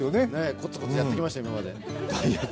コツコツやってきましたよ、今まで。